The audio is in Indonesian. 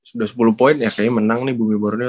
sudah sepuluh poin ya kayaknya menang nih bumi borneo